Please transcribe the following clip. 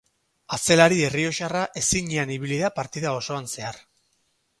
Atzelari errioxarra ezinean ibili da partida osoan zehar.